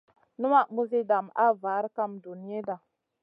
Numaʼ muzi dam a var kam duniyada.